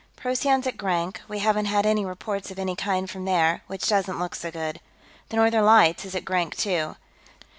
"Procyon's at Grank; we haven't had any reports of any kind from there, which doesn't look so good. The Northern Lights is at Grank, too.